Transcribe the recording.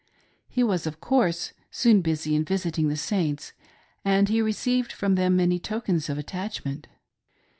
He was, of course, soon busy in visiting the Saints, and he received from them many tokens of attachment.